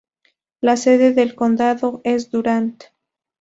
La sede del condado es Durant.